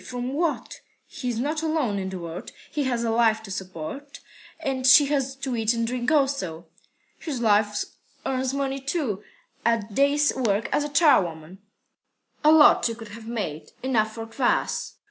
From what? He's not alone in the world. He has a wife to support, and she has to eat and drink also." "His wife earns money, too, at day's work as charwoman." "A lot she could have made! Enough for kvas."